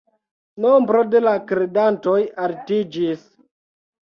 Nombro de la kredantoj altiĝis.